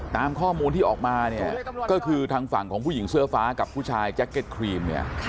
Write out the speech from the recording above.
ตามข้อมูลที่ออกมาเนี่ยก็คือทางฝั่งของผู้หญิงเสื้อฟ้ากับผู้ชายแจ็คเก็ตครีมเนี่ย